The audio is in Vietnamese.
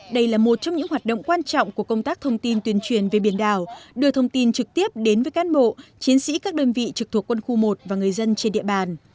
đây là một trong những hoạt động quan trọng của công tác thông tin tuyên truyền về biển đảo đưa thông tin trực tiếp đến với cán bộ chiến sĩ các đơn vị trực thuộc quân khu một và người dân trên địa bàn